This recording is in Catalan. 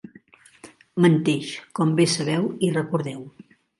Menteix, com bé sabeu i recordeu.